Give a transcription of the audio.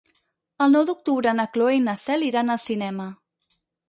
El nou d'octubre na Cloè i na Cel iran al cinema.